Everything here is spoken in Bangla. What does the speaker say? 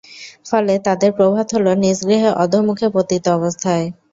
ফলে তাদের প্রভাত হল নিজ গৃহে অধঃমুখে পতিত অবস্থায়।